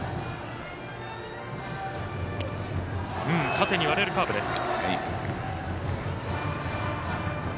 縦に割れるカーブです。